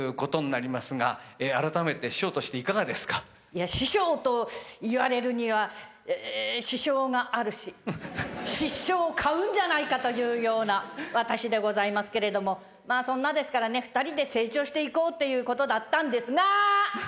いや師匠と言われるにはえ支障があるし失笑を買うんじゃないかというような私でございますけれどもまあそんなですからね「２人で成長していこう」っていうことだったんですが！